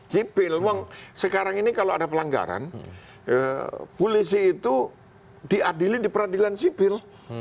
sipil sekarang ini kalau ada pelanggaran polisi itu diadili di peradilan sipil